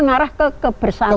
mengarah ke kebersamaan